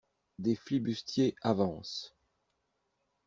Des flibustiers avancent.